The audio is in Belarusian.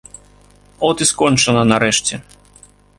От і скончана нарэшце.